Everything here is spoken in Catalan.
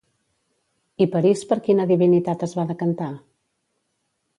I Paris per quina divinitat es va decantar?